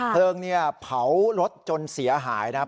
เพลิงเนี่ยเผารถจนเสียหายนะครับ